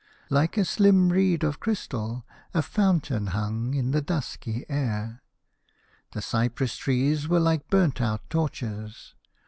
Like a slim reed of crystal a fountain hung in the dusky air. The cypress trees were like burnt out torches.